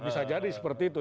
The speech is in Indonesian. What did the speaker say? bisa jadi seperti itu